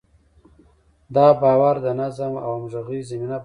دا باور د نظم او همغږۍ زمینه برابروي.